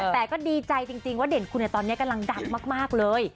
แต่ก็ดีใจจริงว่าเด่นคุณตอนนี้กำลังดังมากเลย